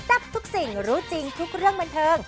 ทับทุกสิ่งรู้จริงทุกเรื่องบันเทิง